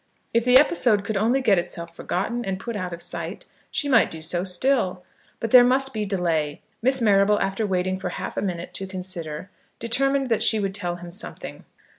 If the episode could only get itself forgotten and put out of sight, she might do so still. But there must be delay. Miss Marrable, after waiting for half a minute to consider, determined that she would tell him something.